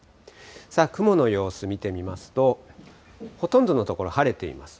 雲の様子見てみますと、ほとんどの所、晴れています。